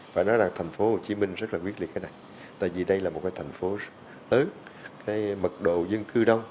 phải nói là thành phố hồ chí minh rất là quyết liệt cái này tại vì đây là một cái thành phố lớn cái mật độ dân cư đông